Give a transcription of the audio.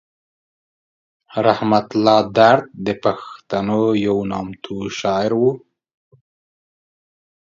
رحمت الله درد د پښتنو یو نامتو شاعر و.